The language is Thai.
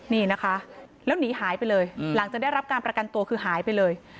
นี่นะคะแล้วหนีหายไปเลยหลังจากได้รับการประกันตัวคือหายไปเลย